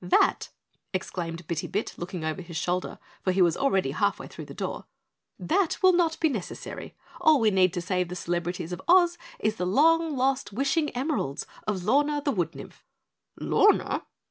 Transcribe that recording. "That," exclaimed Bitty Bit, looking over his shoulder, for he was already half way through the door, "that will not be necessary. All we need to save the celebrities of Oz is the long lost wishing emeralds of Lorna the Wood Nymph." "Lorna?"